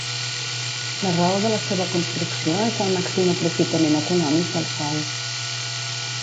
La raó de la seva construcció és el màxim aprofitament econòmic del sòl.